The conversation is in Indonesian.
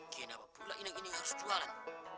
kenapa pula inang ini harus jualan